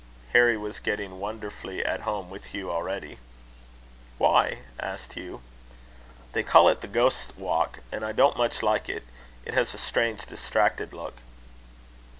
Harry was getting wonderfully at home with Hugh already. "Why?" asked Hugh. "They call it the Ghost's Walk, and I don't much like it. It has a strange distracted look!"